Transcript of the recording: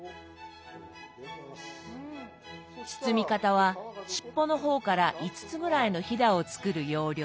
包み方は尻尾の方から５つぐらいのひだを作る要領で。